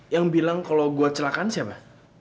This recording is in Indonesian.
yang bilang kalau gua celakaan siapa